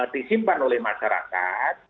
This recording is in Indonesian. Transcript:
disimpan oleh masyarakat